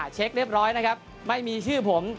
เช็คเรียบร้อยนะครับไม่มีชื่อผม